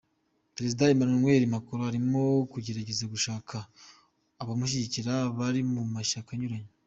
Perezida Emmanuel Macron arimo kugerageza gushaka abamushyigikira bari mu mashyaka anyuranye.